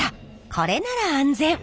これなら安全！